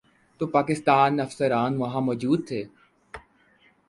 تو پاکستانی افسران وہاں موجود تھے۔